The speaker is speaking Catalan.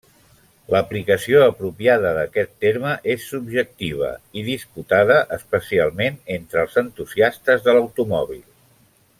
L'aplicació apropiada d'aquest terme és subjectiva i disputada, especialment entre els entusiastes de l'automòbil.